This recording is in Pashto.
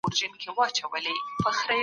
د ذمي وژل لويه ګناه ده.